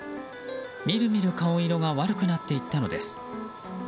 見る見る顔色が悪くなっていったのです。